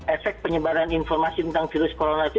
efek penyebaran informasi tentang virus corona itu